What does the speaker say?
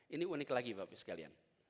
ini unik lagi pak bu sekalian